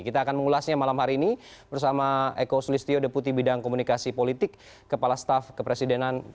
kita akan mengulasnya malam hari ini bersama eko sulistyo deputi bidang komunikasi politik kepala staff kepresidenan